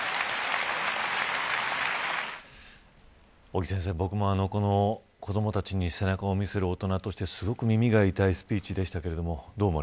尾木先生、僕も子どもたちに背中を見せる大人として本当に耳が痛いスピーチでした。